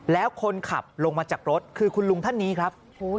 แล้วคนขับลงมาจากรถคือคุณลุงท่านนี้ครับ